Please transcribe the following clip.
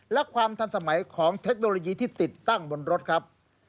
และความทันสมัยของเทคโนโลยีที่ติดตั้งบนรถครับ